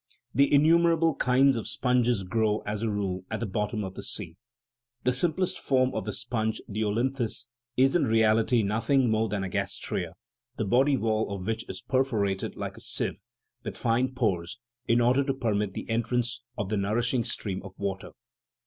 The innumerable kinds of sponges grow, as a rule, at the bottom of the sea. The simplest form of sponge, the olynthus, is in reality nothing more than a gastraea, the body wall of which is perforated like a sieve, with fine pores, in order to permit the entrance of the nourishing stream of water.